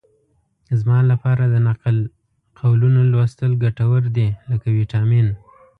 زما لپاره د نقل قولونو لوستل ګټور دي لکه ویټامین.